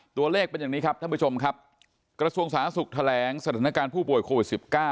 ตัวเลขเป็นอย่างนี้ครับท่านผู้ชมครับกระทรวงสาธารณสุขแถลงสถานการณ์ผู้ป่วยโควิด๑๙